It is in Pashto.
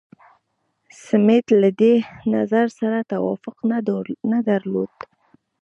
سمیت له دې نظر سره توافق نه درلود.